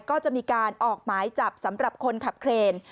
ก็จะมีการออกหมายจับสำหรับคนขับเครน